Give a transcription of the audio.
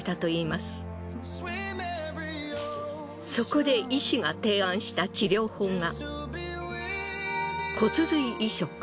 そこで医師が提案した治療法が。